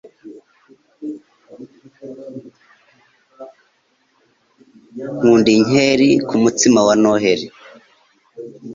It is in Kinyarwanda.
Nkunda inkeri kumutsima wa Noheri.